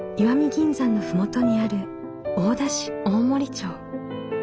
銀山の麓にある大田市大森町。